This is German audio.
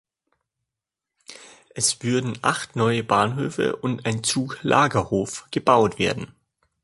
Es würden acht neue Bahnhöfe und ein Zuglagerhof gebaut werden.